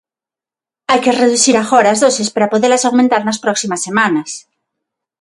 Hai que reducir agora as doses para podelas aumentar nas próximas semanas.